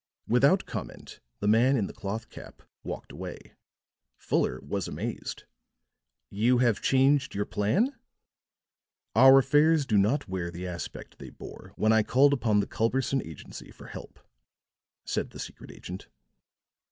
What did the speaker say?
Without comment, the man in the cloth cap walked away. Fuller was amazed. "You have changed your plan?" "Our affairs do not wear the aspect they bore when I called upon the Culberson Agency for help," said the secret agent.